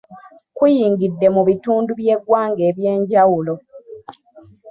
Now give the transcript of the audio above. Kuyingidde mu bitundu by’eggwanga ebyenjawulo.